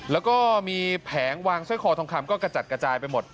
แล้วก็มีแผงวางสร้อยคอทองคำก็กระจัดกระจายไปหมด